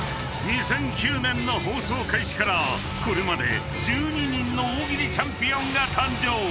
［２００９年の放送開始からこれまで１２人の大喜利チャンピオンが誕生］